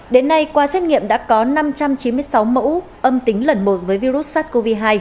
đến nay qua xét nghiệm đã có năm trăm chín mươi sáu mẫu âm tính lần một với virus sars cov hai